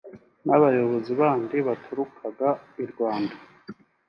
n’abayobozi bandi baturukaga i Rwanda